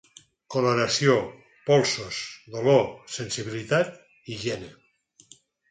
Coloració, polsos, dolor, sensibilitat, higiene.